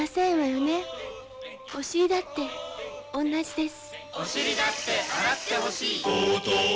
お尻だって同じです。